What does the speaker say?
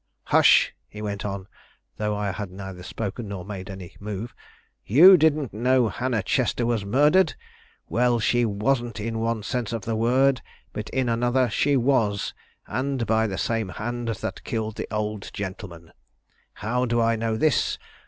"Hush!" he went on, though I had neither spoken nor made any move; "you didn't know Hannah Chester was murdered. Well, she wasn't in one sense of the word, but in another she was, and by the same hand that killed the old gentleman. How do I know this?